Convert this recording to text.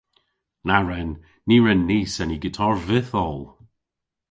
Na wren. Ny wren ni seni gitar vyth oll.